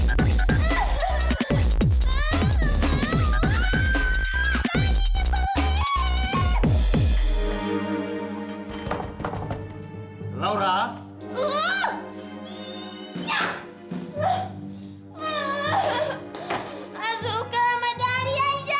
aku mau bawa negeri